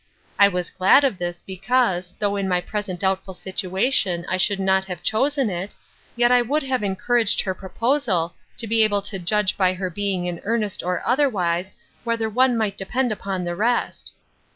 I was glad of this, because, though in my present doubtful situation I should not have chosen it, yet I would have encouraged her proposal, to be able to judge by her being in earnest or otherwise, whether one might depend upon the rest.